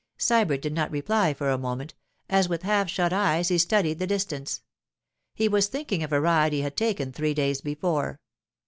Sybert did not reply for a moment, as with half shut eyes he studied the distance. He was thinking of a ride he had taken three days before.